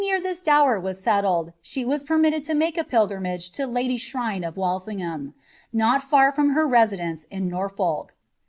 r this dower was settled she was permitted to make a pilgrimage to l^y ahrine of IValsingbam, not far from her residence in Norfolk.